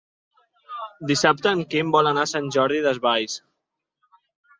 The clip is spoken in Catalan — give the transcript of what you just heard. Dissabte en Quim vol anar a Sant Jordi Desvalls.